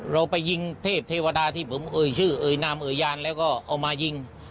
เราไปยิงเทพเทวดาที่ผมเอ่ยชื่อเอ่ยนามเอ่ยยานแล้วก็เอามายิง